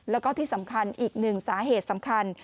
แล้วก็ที่สำคัญอีกหนึ่งสาเหตุสำคัญ